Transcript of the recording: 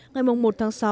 ngày mùng một tháng sáu